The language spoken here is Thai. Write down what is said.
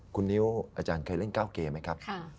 คุณนิวอาจารย์เคยเล่นก้าวเกมั้ยครับ